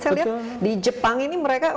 saya lihat di jepang ini mereka